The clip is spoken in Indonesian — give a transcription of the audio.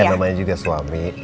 ya namanya juga suami